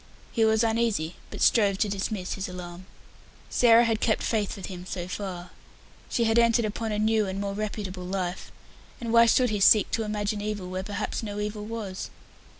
He was uneasy, but strove to dismiss his alarm. Sarah had kept faith with him so far. She had entered upon a new and more reputable life, and why should he seek to imagine evil where perhaps no evil was?